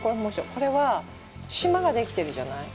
これはシマができてるじゃない？